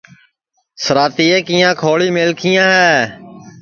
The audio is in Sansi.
سِراتیے کیاں کھوݪی میلکھیاں ہے